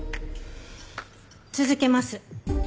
続けます。